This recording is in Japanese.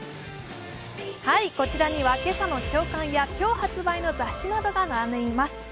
こちらには今朝の朝刊や今日発売の雑誌などが並んでいます。